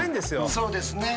そうですね。